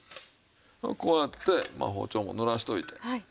こうやってまあ包丁もぬらしておいて。